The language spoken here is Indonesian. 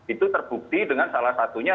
itu terbukti dengan salah satunya